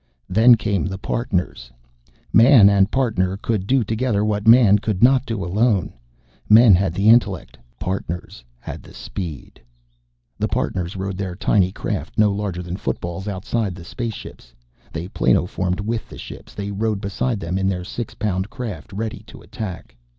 Then came the Partners. Man and Partner could do together what Man could not do alone. Men had the intellect. Partners had the speed. The Partners rode their tiny craft, no larger than footballs, outside the spaceships. They planoformed with the ships. They rode beside them in their six pound craft ready to attack.